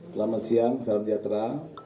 selamat siang salam sejahtera